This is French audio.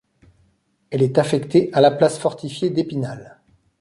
Elle est affectée à la place fortifiée d'Épinal.